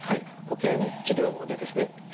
保険治療でですね